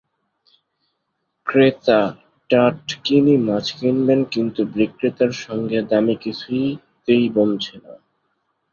ক্রেতা টাটকিনি মাছ কিনবেন, কিন্তু বিক্রেতার সঙ্গে দামে কিছুতেই বনছে না।